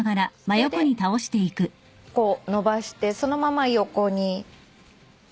それでこう伸ばしてそのまま横に。